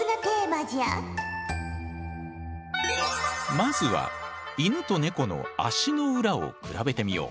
まずはイヌとネコの足の裏を比べてみよう。